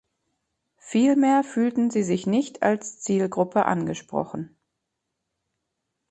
Vielmehr fühlten sie sich nicht als Zielgruppe angesprochen.